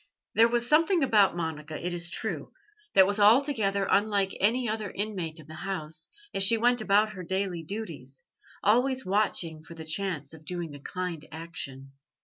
There was something about Monica, it is true, that was altogether unlike any other inmate of the house, as she went about her daily duties, always watching for the chance of doing a kind action.